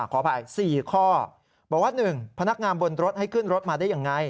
ขออภัย๔ข้อบอกว่า๑พนักงานบนรถให้ขึ้นรถมาได้ยังไง